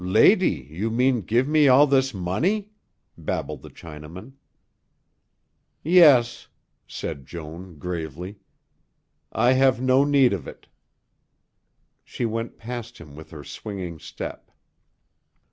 "Lady, you mean give me all this money?" babbled the Chinaman. "Yes," said Joan gravely; "I have no need of it." She went past him with her swinging step.